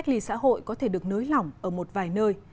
thực hiện cách ly xã hội có thể được nới lỏng ở một vài nơi